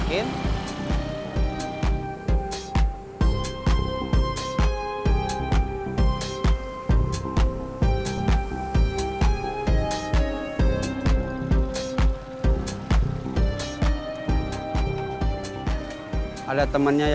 jangan dibikin keburu bukanya yaa